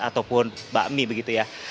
ataupun bakmi begitu ya